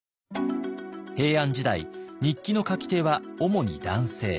平安時代日記の書き手はおもに男性。